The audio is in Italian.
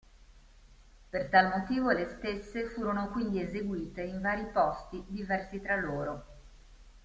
Per tal motivo, le stesse furono quindi eseguite in vari posti diversi tra loro.